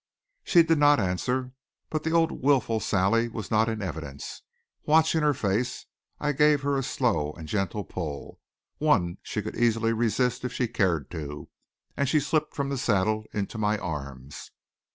She did not answer. But the old willful Sally was not in evidence. Watching her face I gave her a slow and gentle pull, one she could easily resist if she cared to, and she slipped from her saddle into my arms.